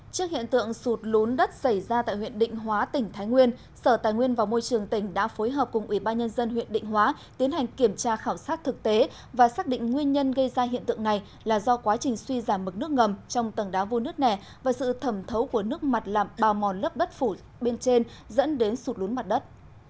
trước hiện tượng sụt lún đất xảy ra tại huyện định hóa tỉnh thái nguyên sở tài nguyên và môi trường tỉnh đã phối hợp cùng ủy ban nhân dân huyện định hóa tiến hành kiểm tra khảo sát thực tế và xác định nguyên nhân gây ra hiện tượng này là do quá trình suy giảm mực nước ngầm trong tầng đá vô nước nẻ và sự thẩm thấu của nước mặt làm bào mòn lớp đất phủ bên trên dẫn đến sụt lún mặt đất